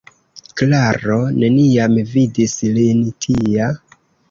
Klaro neniam vidis lin tia.